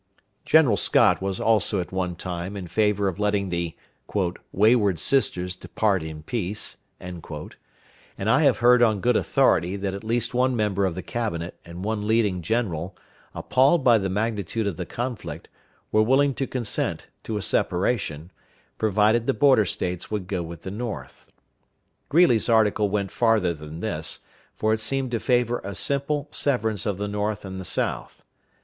General Scott was also at one time in favor of letting the "wayward sisters depart in peace;" and I have heard on good authority that at least one member of the Cabinet and one leading general, appalled by the magnitude of the conflict, were willing to consent to a separation, provided the Border States would go with the North. Greeley's article went farther than this, for it seemed to favor a simple severance of the North and the South.